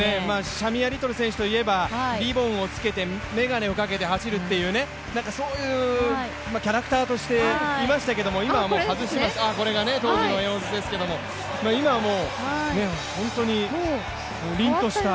シャミア・リトル選手といえば、リボンをつけて眼鏡をつけて走るという、そういうキャラクターとしていましたけれども、今はもう外しまして、これが当時の様子ですが今はもう、本当にりんとした。